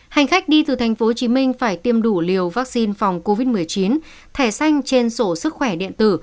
hành khách đi từ tp hcm phải tiêm đủ liều vaccine phòng covid một mươi chín thẻ xanh trên sổ sức khỏe điện tử